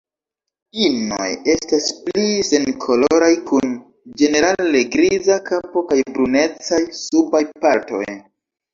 Inoj estas pli senkoloraj kun ĝenerale griza kapo kaj brunecaj subaj partoj.